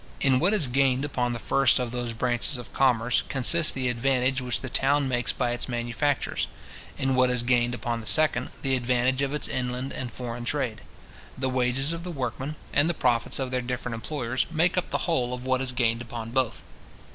In what is gained upon the first of those branches of commerce, consists the advantage which the town makes by its manufactures; in what is gained upon the second, the advantage of its inland and foreign trade. The wages of the workmen, and the profits of their different employers, make up the whole of what is gained upon both.